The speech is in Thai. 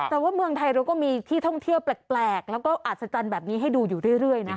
แต่ว่าเมืองไทยเราก็มีที่ท่องเที่ยวแปลกแล้วก็อัศจรรย์แบบนี้ให้ดูอยู่เรื่อยนะ